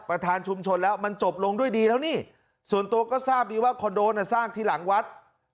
ประธานชุมชนแล้วมันจบลงด้วยดีแล้วนี่ส่วนตัวก็ทราบดีว่าคอนโดน่ะสร้างที่หลังวัด